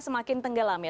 makin tenggelam ya